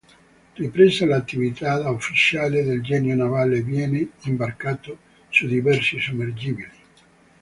Ripresa l'attività da Ufficiale del Genio Navale viene imbarcato su diversi sommergibili.